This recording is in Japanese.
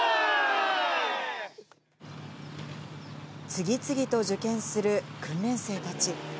次々と受験する訓練生たち。